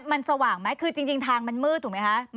มันสว่างไหมคือจริงทางมันมืดถูกไหมคะ